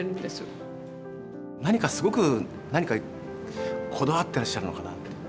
何かすごくこだわってらっしゃるのかなって。